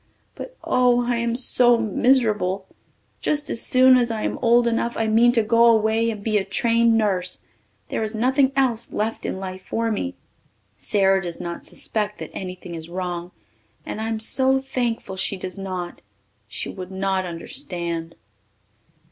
But, oh, I am so miserable! Just as soon as I am old enough I mean to go away and be a trained nurse. There is nothing else left in life for me. Sara does not suspect that anything is wrong and I am so thankful she does not. She would not understand.